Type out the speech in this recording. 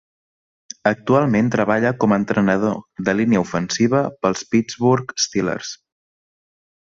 Actualment treballa com entrenador de línia ofensiva pels Pittsburgh Steelers.